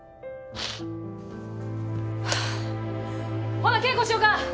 ほな稽古しよか！